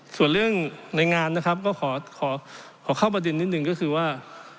ส่วนเรื่องในงานนะครับก็ขอเข้าประเด็นนิดนึงก็คือว่า